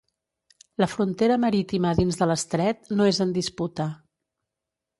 La frontera marítima dins de l'estret no és en disputa.